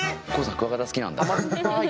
クワガタ好きなんだ。